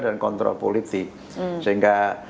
dan kontrol politik sehingga